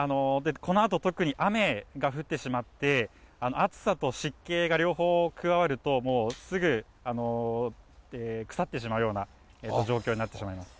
このあと、特に雨が降ってしまって、暑さと湿気が両方加わると、もうすぐ腐ってしまうような状況になってしまいます。